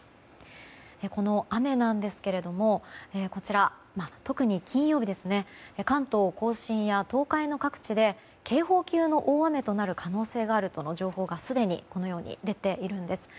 この雨ですが特に金曜日関東・甲信や東海の各地で警報級の大雨となる可能性があるとの情報がすでにこのように出ています。